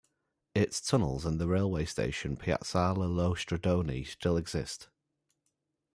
Its tunnels, and the railway station 'Piazzale Lo Stradone', still exist.